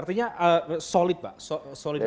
artinya solid pak